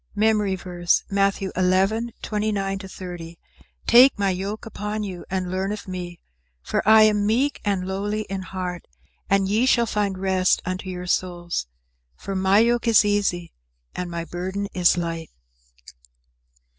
MEMORY VERSE, Matthew 11: 29 30 "Take my yoke upon you, and learn of me; for I am meek and lowly in heart: and ye shall find rest unto your souls. For my yoke is easy and my burden is light."